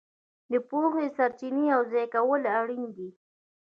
د پوهې سرچینې یوځای کول اړین دي.